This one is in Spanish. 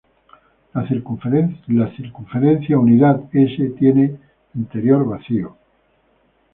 La circunferencia unidad "S" tiene interior vacío.